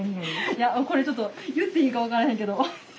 いやこれちょっと言っていいか分からへんけど。